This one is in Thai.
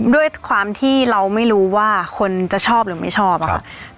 ด้วยความที่เราไม่รู้ว่าคนจะชอบหรือไม่ชอบอะค่ะ